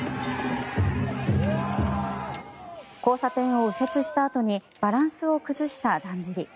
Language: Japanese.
交差点を右折したあとにバランスを崩しただんじり。